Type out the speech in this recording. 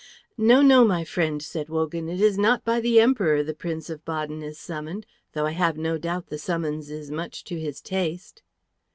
"No, no, my friend," said Wogan. "It is not by the Emperor the Prince of Baden is summoned, though I have no doubt the summons is much to his taste."